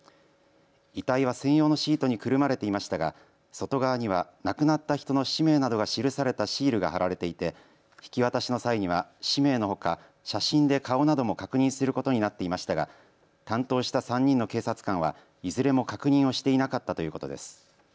遺体は専用のシートにくるまれていましたが外側には亡くなった人の氏名などが記されたシールが貼られていて引き渡しの際には氏名のほか写真で顔なども確認することになっていましたが担当した３人の警察官はいずれも確認をしていなかったということです。